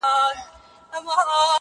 پروت کلچه وهلی پرې ښامار د نا پوهۍ کنې,